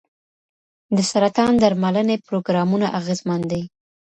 د سرطان درملنې پروګرامونه اغېزمن دي.